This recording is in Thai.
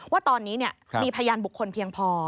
ว่าตอนนี้มีพยานบุคคลเพียงพอ